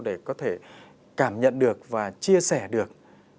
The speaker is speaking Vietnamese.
để có thể cảm nhận được và chia sẻ được